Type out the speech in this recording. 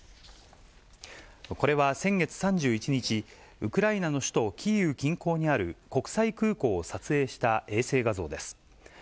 これは先月３１日、ウクライナの首都キーウ近郊にある国際空港を撮影した衛星画像です。